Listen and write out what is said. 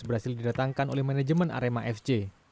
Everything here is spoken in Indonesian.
berhasil didatangkan oleh manajemen arema fc